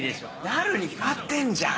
なるに決まってんじゃん！